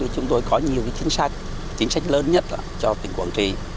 chúng tôi có nhiều chính sách chính sách lớn nhất cho tỉnh quảng trị